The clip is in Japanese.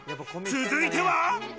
続いては。